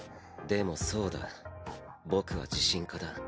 でもそうだ僕は自信家だ。